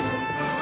あ！